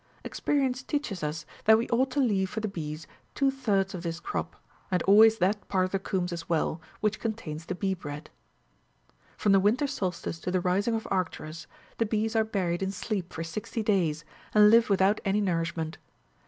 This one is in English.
45 Expe rience teaches us that we ought to leave for the bees two thirds of this crop, and always that part of the combs as well, which contains the bee bread. From the winter solstice to the rising of Arcturus the bees are buried in sleep for sixty days, and live without any nourish ment.